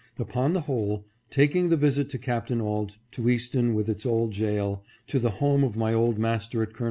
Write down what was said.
Upon the whole, taking the visit to Capt. Auld, to Easton with its old jail, to the home of my old master at Col.